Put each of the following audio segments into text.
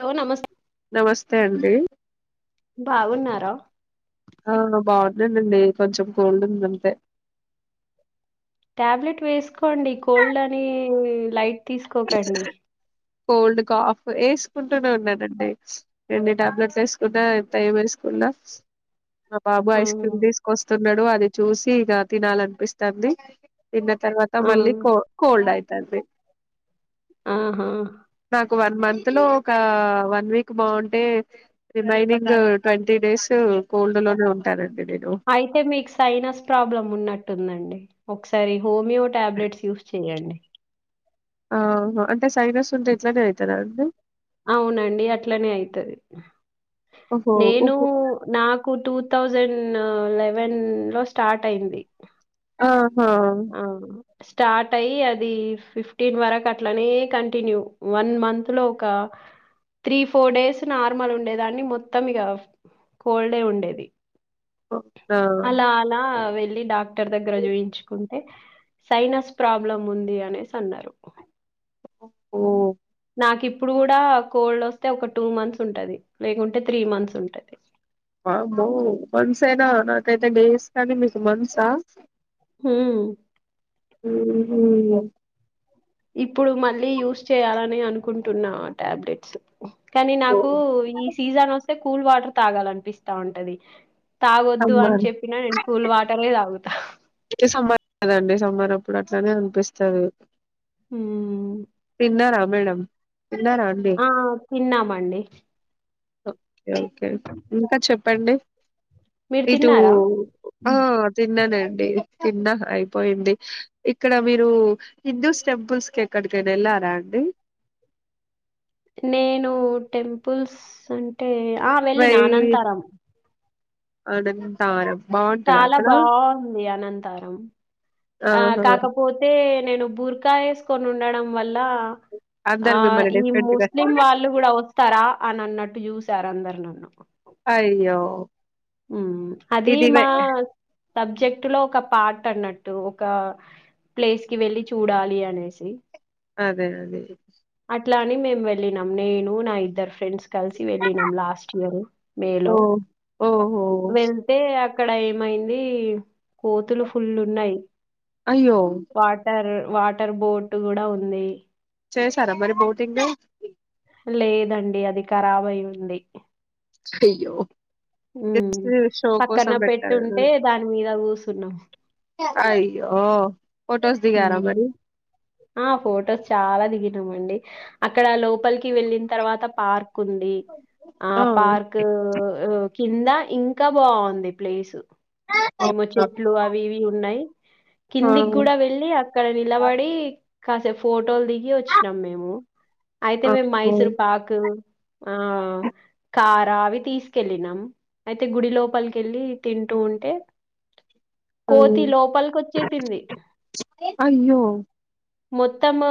Hello నమస్ నమస్తే అండి. బాగున్నారా. ఆ బాగున్నానండి కొంచెం కోల్డ్ ఉందంతే టాబ్లెట్ వేసుకోండి కోల్డ్ అని లైట్ తీసుకోకండి. కోల్డ్ కాఫ్ వేసుకుంటూనే ఉన్నానండి రెండు టాబ్లెట్లు వేసుకున్నా ఇంత ఏం వేసుకున్నా మా బాబు ఆ! ఐస్ క్రీమ్ తీసుకొస్తున్నాడు అది చూసి ఇక తినాలనిపిస్తాంది. తిన్న తర్వాత ఆ! మళ్ళీ కో కోల్డ్ ఆయితు ఆంది. ఆహా నాక్ ఒక వన్ మంత్ లో ఒక వన్ వీక్ బాగుంటే రిమైనింగ్ ట్వంటీ డేస్ కోల్డ్ లోనే ఉంటానన్ అయితే మీకు సైనస్ ప్రాబ్లం ఉన్నట్టుందండి. ఒకసారి హోమియో టాబ్లెట్స్ యూస్ చేయండి. ఆహ అంటే సైనస్ ఉంటే ఇట్లానే ఐతదాండి. అవునండి అట్లనే అయితది. ఓహో నేను ఉకు నాకు టూ థౌజండ్ లెవెన్ లో స్టార్ట్ అయింది. ఆ హా ఆ! స్టార్ట్ అయ్యి అది ఫిఫ్టీన్ వరకు అట్లనే కంటిన్యూ వన్ మంత్ లో ఒక త్రీ ఫోర్ డేస్ నార్మల్ ఉండేదాన్ని మొత్తం ఇక కోల్డే ఉండేది. అవునా అలా అలా వె వెళ్లి డాక్టర్ దగ్గర చూయించు కుంటే సైనస్ ప్రాబ్లం ఉంది అనేసి అన్నారు. ఓ నాకి ఇప్పుడు కూడా కోల్డ్ వస్తే ఒక టూ మంత్స్ ఉంటది. లేకుంటే త్రీ మంత్స్ ఉంటది. వామ్మో మంత్సైన నాకైతే డేస్ కానీ మీకు మంత్స హూ ఉ హు ఇప్పుడు మళ్ళీ యూస్ చేయాలని అనుకుంటున్నా టాబ్లెట్స్ కానీ నాకు ఈ సీజన్ వస్త స్తే కూల్ వాటర్ తాగాలనిపిస్తాంటది. తాగొద్దు అని సమ్మర్ చెప్పినా నేను కూల్ వాటరే తాగుత ఏ సమ్మర్ కదండి సమ్మర్ అప్పుడు అట్లనే అనిపిస్తది. హ్మ్. తిన్నర మేడం తిన్నారా అండి ఆయ్ తిన్నామండి ఇక ఓకే ఇంక చెప్ప పండి మీరు ఇటు తిన్నారా? ఆ తిన్ననే లేదు తిన్న అయిపోయింది ఇక్కడ మీరు హిందూస్ టెంపుల్స్ కి ఎక్కడికైనా వెళ్ళారా అండి నేనూ టెంపుల్స్ అంటే టే ఆ వై వెళ్ళినా అనంతారం అనంతారం బాగుంటదా చాల అక్కడ బావుంది అనంతారం ఆ ఆహా కాకపోతే నేను బుర్కా వేసుకు నుండడం వల్ల ల ఆ అందరు మిమ్మల్ని ఇంగ ఈ డిఫరెంట్ ముస్లిం గా వాళ్ళు కూడా వస్తారా అని అన్నట్టు చూసి చార అందర నన్నుకో అయ్యో ఉమ్ అది ఇది వే మా సబ్జెక్ట్లో ఒక పార్ట్ అన్నట్టు ఒక ప్లేస్ కి వెళ్ళి చూడాలి అనేసి అదే గది అట్ల అని మేమ్ వెళ్ళినాం నేను నా ఇద్దర్ ఫ్రెండ్స్ కలిసి వెళ్ళినం లాస్ట్ ఇయర్ మే ఓ లొ ఓహో వెళ్తే అక్కడ ఏమైంది కోతులు ఫుల్లున్నాయి అయ్యో వాటర్ బోట్ గూడా ఉంది చేసార మరి బోటింగ్ లేదండి అది ఖరాబయ్యింది ఛెయ్యో ఉమ్ పక్కన పెట్టారు పెట్టుంటే దాని మీద కుస్ తిన్నా అయ్యో ఫొటోస్ దిగారా ఉమ్ మరి ఆ ఫొటోస్ చాలా దిగి దిగినా మండి అక్కడ లోపలికి వెళ్ళిన తర్వాత పార్క్ కుండి ఆ పార్క్ ఉ కింద ఇంకా బావుంది ప్లేసు ఏమో అవునా చెట్లు అవి ఇవి ఉన్నాయ్ ఆ కిందిక్కూడ వెళ్ డి అక్కడ నిలబడీ కాసేప్ ఫోర్ ఫోటోల్ దిగి వచ్చినాం మేము అయితే మేము ఆహా మైసూర్ పాక్ ఆ కార అవి తీసుకెళ్ళినాం. అయితే గుడి లోపలిక వెళ్ళి తింటూ ఉంటే ఆ కోతి లోపలికొచ్చేసింది. అయ్యో మొత్తము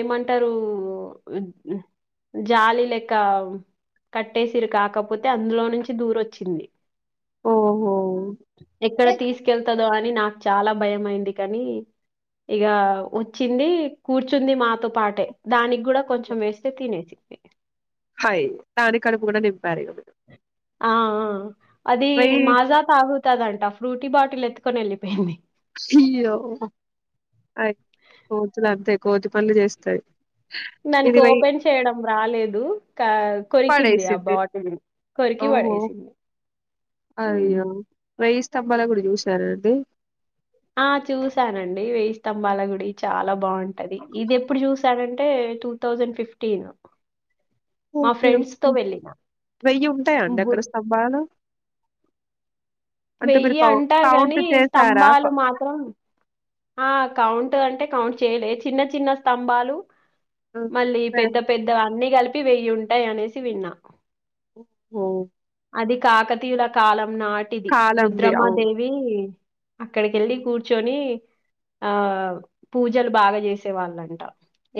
ఏమంటరు జాలి లెక్క కట్టేసిర్రు కాకపోతే అందులో నుంచి దూరి వచ్చింది. ఓహో ఎక్కడ తీసుకెళ్తదో అని నా చాలా భయం అయింది కానీ, ఇగ వచ్చింది కూర్చుంది మాతో పాటే దానికి కూడా కొంచెం వేస్తే తినేసి హాయి దాని కడుపు కూడా నింపారు ఇగా మీరు. ఆ ఆ అది వెయ్యి మాజా తాగు తదంట ఫ్రూటీ బాటిల్ ఎత్తుకొని వెళ్ళిపోయింది. అయ్యో అయి కోతులు అంతే కోతి పనులు చేస్తయి. దానికి ఓపెన్ చేయడం రాలేదు. క కొరికింది ఆ పడేసిద్ది బాటిల్ని కొరికి ఓహో పడేసింది. హ్ స్తంబాల గుడి చూసినార అండి. ఆ చూసానండి వేయి స్తంభాల గుడి చాలా బావుంటది ఇది ఎప్పుడు చూసానంటే టూ థౌజండ్ ఫిఫ్టీన్. మా ఓకే ఫ్రెండ్స్ తో ఓకే వెళ్ళిన వెయ్యి ఉంటాయా అండి అక్కడ బుర్ స్తంభాలు. అంటే మీరు వెయ్యి కౌ అంటారు కౌంట్ కాని చేసారా? క స్తంభాలు మాత్రం ఆ కౌంట్ అంటే కౌంట్ చేయలే చిన్న చిన్న స్తంభాలు హ్మ్. మళ్ళీ పె పెద్ద పెద్ద అన్నీ కలి పి వెయ్యి ఉంటాయి అనేసి విన్నా. హాహో అది కాకతీయుల కాలం నాటిది కాలంది. రుద్రమా అవును. దేవి అక్కడికి ఎళ్ళి కూర్చొని ఆ పూజలు బాగా చేసేవాళ్ళంట.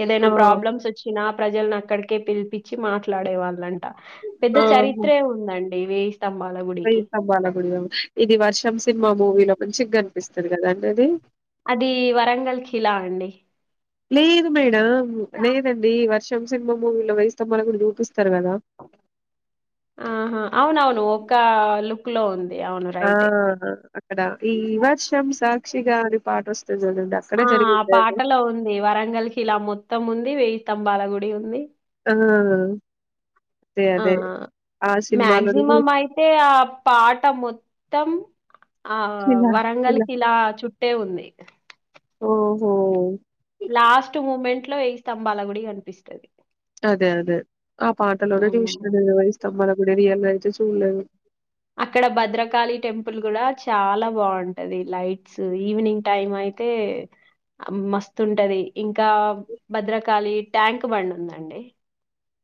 ఏదైనా ఆ! ప్రాబ్లమ్స్ వచ్చినా ప్రజలను అక్కడికే పిలిపించి మాట్లాడే వాళ్ళు అం ట పెద్ద చరిత్రే ఉందం డి వేయి వెయి స్తంబాల గుడి కదా ఇది వర్షం సినిమా మూవీలో మంచిగా కని పిస్తది కదా అండి అది. అది వరంగల్ ఖిలా అండి. లేదు మేడం, లేదండి వర్షం సినిమా మూవీలో వేయిస్తంభాల గుడి చూపిస్తరు కదా. ఆహా అవునవును ఒక లుక్ లో ఉంది అవును రైటే. ఆహా అద ఈ వర్షం సాక్షిగా అని పాట వస్ ఆ ఆ పాటలో ఉంది వరంగల్ కిలా మొ త్తం ఉంది వెయ్యిస్తంభాల గుడి ఉంది ఆ! అదే. ఆ అదే. ఆ సినిమాలోనే మ్యాక్సిమం చూసి అయితే ఆ పాట మొత్తం ఆ ఇలా వరంగల్ ఇలా కిలా చు అట్టే ఉంది ఓహో లాస్ట్ మూమెంట్ ఇట్ లో వెయి స్తంభాల గుడి కనిపిస్తది అదే అదే ఆ పాటలోనే చూసిన హ్మ్. నేను వేయిస్తంభాల గుడిని రియల్గా చూలేదు అక్కడ భద్రకాళి టెంపుల్ కూడా చాలా బాగుంటది లైట్స్ ఈవినింగ్ టైం అయితే మస్తు ఉంటది ఇంకా భద్రకాళి ట్యాంక్ బండ్ ఉందండి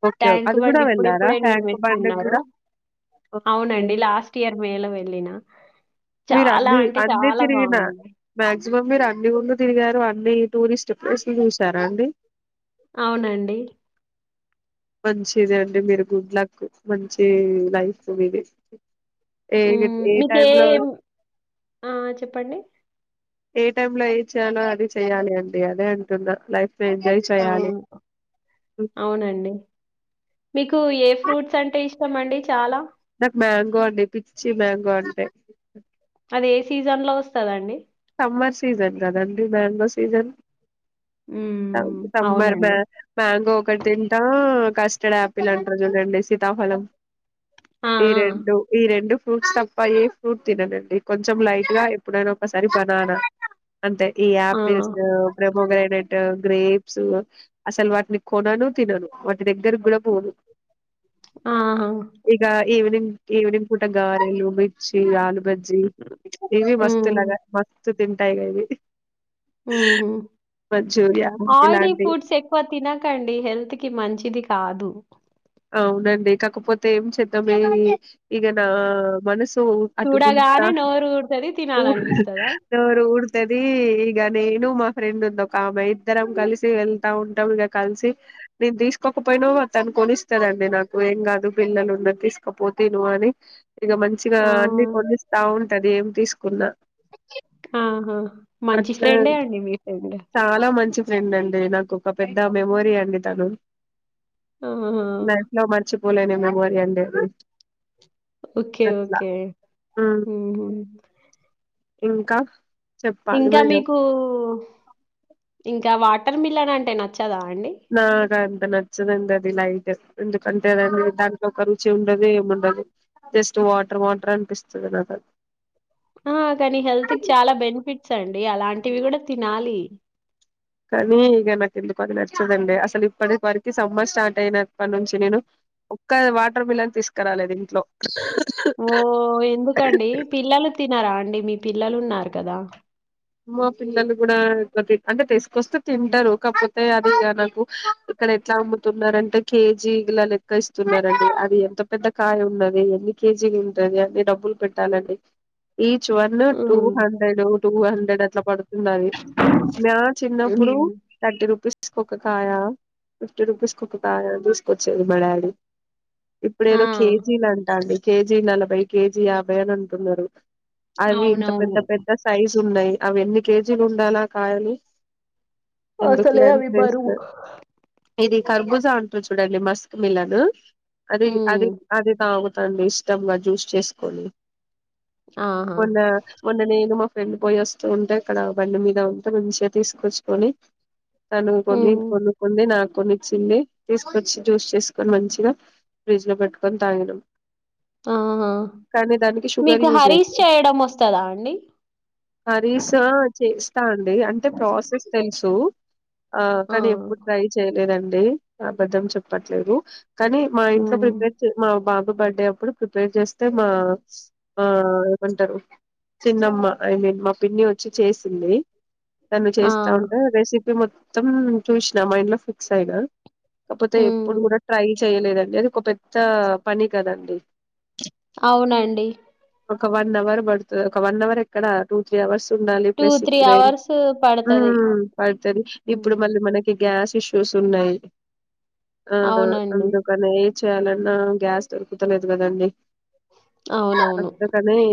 ఓకే. ట్యాంక్ అది గూడా బండ్ వెళ్లారా? ఇప్పుడిప్పుడే ట్యాంక్ బండ్‌కి నిర్మిస్తున్నారు గూడా? ఓకే. అవునండి లాస్ట్ ఇయర్ మేల వెళ్ళిన మీరు చాలా అన్ని అంటే అన్ని చాలా తిరిగిన బావుంది. మ్యాగ్ మాక్సిమం మీరు అన్ని ఊర్లు తిరిగారు అన్ని టూరిస్ట్ ప్లేస్లు చూసారా అండి అవునండి మంచిది అండి మీరు గుడ్ లక్ మంచి లైఫ్ మీది ఏ ఉ ఏ టైంలో మీకేం ఆ చెప్పండి ఏ టైమ్ లో ఏది చేయాలో అది చెయ్యాలి అండి అదే అంటుంన్న లైఫ్ అవును హ్మ్. అవునండి మీకు ఏ ఫ్రూట్స్ అంటే ఇష్టం అండి చాలా నాకు మ్యాంగో అండి పిచ్చి మ్యాంగో అంటే అది ఏ సీజన్ లో వస్తదండి సమ్మర్ సీజన్ కదండి మాంగో సీజన్ హ్మ్. సమ్మర్ మ అవునండి. మ్యాంగో ఒకటి తింట కష్ట ఇక్కడ యాపిల్ అంటరు గదాండి సీతాఫలం ఆ! ఈ రెండు ఈ రెండు ఫ్రూట్స్ తప్ప ఏ ఫ్రూట్ తిననండి కొంచెం లైట్ గా ఎప్పుడైనా ఒక సరి కనరా అంటే ఈ ఆ! ఆ! యాపిల్స్ ప్రోమోగ్రానేట్ గ్రేప్స్ అసలు వాటిని కొనను తినను వాటి దగ్గర కూడా పోను ఆ ఈవెనింగ్ ఈవెనింగ్ పూట గారెలు ఈ ఆలూ బజ్జీ ఈవి హ్మ్. మస్తలాగా ఇ తింటాయిగా ఇది ఆయిలీ ఇలాంటి ఫుడ్స్ ఎక్కువ తినకండి హెల్త్ కి మంచిది కాదు అవునండి కాకపోతే ఏం చేద్దాం ఇక నా మనసు సో అటు గుంత చూడగానే నోరు ఊరుతది. తినాలనిపిస్తదా? నోరు ఊరుతది ఈగ నేను మా ఫ్రెండ్ ఉంది ఒక ఆమె ఇద్దరం కలిసి వెళ్తా ఉంటాంగా కలిసి నేను తీసుకోకపోయినా తను కొనిస్త ఇస్తదండి నాకు ఏం కాదు పిల్లలు ఉన్న తీసుకపో తిను అని ఇక మంచిగా ఆ! అన్ని కొనిస్తా ఉంటది ఏం తీసుకు కున్న ఆహా మంచి ఫ్రెండే అండి మీ ఫ్రెండ్ ఏంటండి నాకు ఒక పెద్ద మెమోరీ అండి తను ఆహా! నస్లో మర్చ మూలనే మేమోరి అండి ఓకే అట్లా ఓకే హ్మ్. ఇంకా చెప్పాలి ఇంకా మేడం మీకు ఇంకా వాటి వాటర్ మిలన్ అంటే నచ్చి నచ్చదా అండి అ నచ్చదండి లైట్ గా ఎందుకంటే అ దాంట్లో ఒక రుచి ఉండదు ఏమిండదు జస్ట్ వాటర్ వాటర్ అనిపిస్తుంది నాకది ఆ కానీ హెల్త్ కి చాలా బెనిఫిట్ చ్చండి అలాంటివి కూడా తినాలి కానీ ఇక నాకు ఎందుకు అది నచ్చదండి అసలు ఇప్పటి వరకు సమ్మర్ స్టార్ట్ అయినప్పటి నుంచి నేను ఒక్క వాటర్ మెలన్ తీసుకురాలేదు ఇంట్లో ఓ ఎందుకండి పిల్లలు తిన్నారా అండి మీ పిల్లలు ఉన్నారు కదా మా పిల్లలు కూడా అంటే తీసుకొస్తే తింటారు కాకపోతే అది ఇక నాకు ఇక్కడ ఎట్లా అమ్ముతున్న అంటే కేజీలా లెక్క ఇస్తున్నారండి అది ఎంత పెద్ద కాయ ఉన్నది ఎన్ని కేజీలు ఉంటంది అన్ని డబ్బులు పెట్టాలండి ఈ one two hmm. Hundred two హ్రె ఇట్లా పడుతుంది అది మా చిన్నప్పుడు హ్మ్. తర్టీ రూపీస్ ఒక్క కాయ ఫిఫ్టీ రూపీస్ కి ఒక్క కాయ తీసుకొచ్చేది మ డాడీ ఇప్పుడ ఆ! ఏదో కేజీలు అంటా అండి కేజీ నలభై కేజీ యాభై అని అంటున్నారు అవి ఇంత పెద్ద అవునవును. పెద్ద సైజు ఉన్నాయి అవి ఎన్ని కేజీలు ఉండాలా కాయలు ఎందుకులే అసలే అని అవి బరువు వేస్తున్నారు ఇది కర్బూజా ఉంటుంది చూడండి మస్క్ మిలను అది హ్మ్. అది అదితాగు తం ఇష్టంగా జ్యూస్ చేసుకొని ఆహా! మోన్న మోన్న నేను మాఫ్ రెండ్ పోయిస్ ఉంటాయి అక్కడ బండి మీద ఉంటే మంచిగా తీసుకొచ్చుకొని తను కొన్ని హ్మ్. కొన్ని కొంది నాకు కొనిచ్చింది తీసుకొచ్చి జ్యూస్ చేసుకొని మంచిగా ఫ్రిడ్జ్ లో పెట్టుకొని తాగడం ఆహా షుగర్ మీకు యూజ్ హరీష్ అయితది చేయడం వస్తదా అండి? హరీషా చేస్తా అండి అంటె ప్రాసెస్ తెల్ సో ఆ కానీ ఎప్పుడు ట్రై చేయలేదండి. అ అబద్ధం చెప్పట్లేదు కానీ మా ఇంట్లో హ్మ్. ప్రిపేర్ చేయ మా బాబ్ బర్త్డే అప్పుడు ప్రిపేర్ చేస్తే మా ఆ ఏమంటారు చిన్నమ్మ ఐ మీన్ మా పిన్ని వచ్చి చేసింది. తను ఆ! చేస్తా ఉంట రెసిపీ మొ త్తం చూసిన మైండ్ లో ఫిక్స్ అయినా కాకపోతే ఎప్పుడు హ్మ్. కూడా ట్రై చ్ చేయలేదండి అది ఒక పెద్ద పని కదండి. అవునండి. ఒక వన్ అవర్ పడుతది ఒక వన్ అవర్ ఎక్కడ టూ త్రీ అవర్స్ ఉండాలి ప్లస్ ఇప్పుడై అవర్స్ పడతది. ఉమ్ పడుతది హ్మ్. ఇప్పుడు మళ్ళ మన ఇ గ్యాస్ ఇష్యూస్ ఉన్నాయి. ఆ అవునండి. అందుకనే చేయాలన్నా గ్యాస్ దొరుకుతలేదు కదండి. అవునవును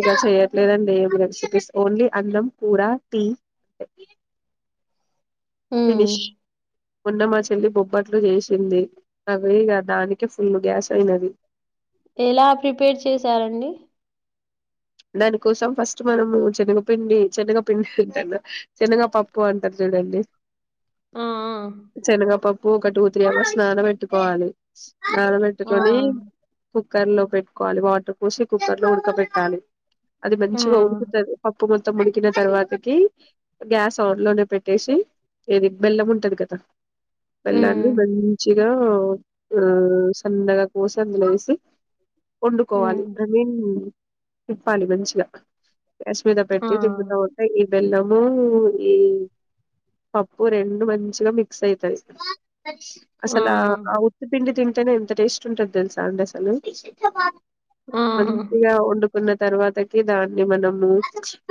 ఇగ చెయట్లేదండి ఏవి రెసిపీస్ ఓన్లీ అన్నం కూర టీ హ్మ్. ఫినిష్ మోన్న మా చెల్లి బొబ్బట్లు చేసింది, అవి ఇగ దానికి ఫుల్ గ్యాస్ అయినది. ఎలా ప్రిపేర్ చేశారండి దాని కోసం ఫస్ట్ మనము చనగపిండి చనగపిండి అంటాన్న చనగ పప్పు అంటారు చూడండి ఆ! చనగపప్ ఒక టూ త్రీ అవర్స్ నానపెట్టుకోవాలి నాన ఆ! పెట్టుకొని ఆ! కుక్కర్ లో పెట్టుకోవాలి వాటర్ పోసి కుక్కర్ లో ఉడక పెట్టాలి అది ఆ! మంచిగా ఊడుకుతది ఉప్పు మొత్తం ముడికిన తర్వాతకి గ్యాస్ ఆన్ లోనే పెట్టేసి ఏది బెల్లం ఉంటది కదా బెల్లాన్ని హ్మ్. మంచి ఉ సన్నగా కోసి అందులో వేసి హ్మ్. వండుకోవాలి ఐ మీన్ తిప్పాలి మంచిగా గ్యాస్ మీద ఆ! పెట్టి తిప్పుతా ఉంటే బెల్లము ఈ పప్పు రెండు మంచిగా మిక్స్ అయితది ఆ! అసలు ఆ ఉత్పిండి తిన్ టెనే ఎంత టేస్ట్ ఉంటది తెలుసా అండి అసలు ఆ ఉన్న తర్వాతకి దాన్ని మనము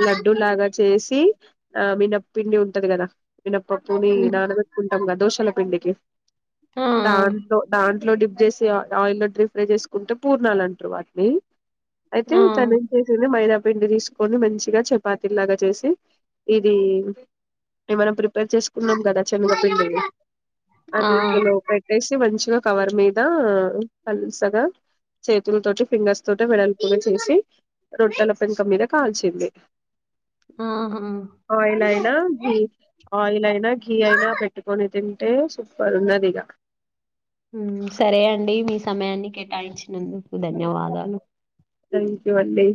లడ్డు లాగా చేసి ఆ మినప్పిండి ఉంటది కదా వినప్పప్పుని హ్మ్. నాన పెట్టుకుంటాం కద దోష జొన్న పిండికి ఆ! దాన్తో దాన్ లో డిప్ చేసి ఆయిల్ డీఫ్రై చేసుకుంటే పూర్ణాలంటారు వాటిని తే ఆ! ఆ! కలిపి చేసేదే మైదా పిండి తీసుకొని మంచిగా చపాతిలాగా చేసి ఇది మనం ప్రిపేర్ చేసుకున్నాం కదా శనుగ పిండిది ఆ! అది ఇందులో పెట్టేసి మంచి కవర్ మీద పలుచగా చేతుల తోటి ఫింగర్స్ తోటి వెడల్పుగా చేసి రొట్టెల పెంక మీద కాల్చింది ఆహా! ఆయిల్ అయినా ఆయిల్ అయినా ఘీ అయినా పెట్టుకొని తింటే సూపర్ ఉన్నది ఇగ ఉ సరే అండి మీ సమయాన్ని కేటాయించినందు ధన్యవాదాలు థ్యాంక్యు అండి